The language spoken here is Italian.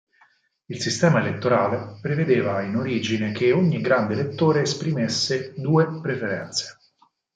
Il sistema elettorale prevedeva in origine che ogni grande elettore esprimesse due preferenze.